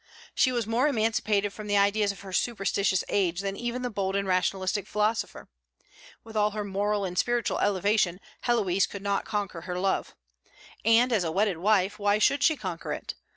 She was more emancipated from the ideas of her superstitious age than even the bold and rationalistic philosopher. With all her moral and spiritual elevation, Héloïse could not conquer her love. And, as a wedded wife, why should she conquer it?